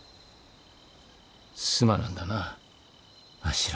すまなんだなあ。